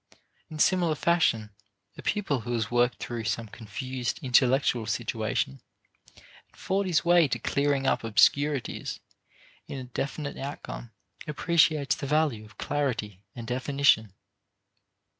In similar fashion, a pupil who has worked through some confused intellectual situation and fought his way to clearing up obscurities in a definite outcome, appreciates the value of clarity and definition.